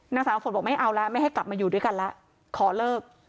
นางสาวฝนบอกไม่เอาแล้วไม่ให้กลับมาอยู่ด้วยกันแล้วขอเลิก